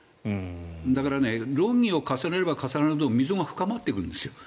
だから論議を重ねれば重ねるほど溝が深まっていくんですよ。